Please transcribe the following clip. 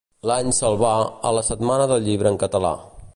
L'Any Salvà a La Setmana del Llibre en Català.